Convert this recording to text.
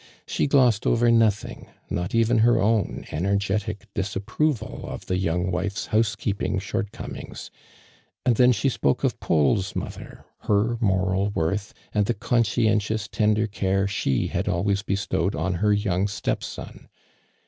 She glossed over nothing, not even her own energetic disap proval of the young wife's housekeeping short comings, and then she spoke of Paul's mother, her moral worth, and the conscien tious, tender oare she had always bestowed on her young step son.